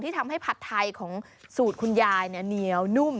ทำให้ผัดไทยของสูตรคุณยายเหนียวนุ่ม